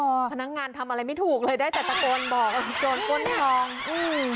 หือเนี้ยค่ะพี่พนักงานทำอะไรไม่ถูกเลยได้จากตะโกนบอกโจรกลที่น้องอือ